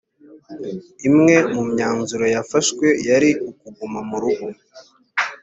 imwe mu myanzuro yafashwe yari ukuguma murugo